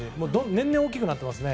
年々大きくなっていますね。